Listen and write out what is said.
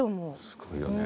すごいよね。